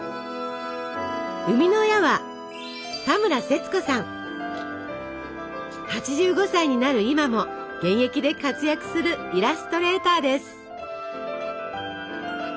生みの親は８５歳になる今も現役で活躍するイラストレーターです。